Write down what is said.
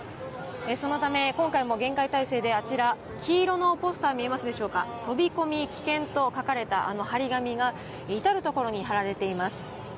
そのため、今回も厳戒態勢で、黄色のポスター、見えますでしょうか、飛び込み危険と書かれた貼り紙が至る所に貼られています。